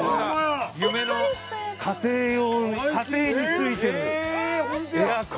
夢の家庭用家庭に付いてるエアコン。